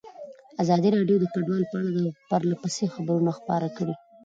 ازادي راډیو د کډوال په اړه پرله پسې خبرونه خپاره کړي.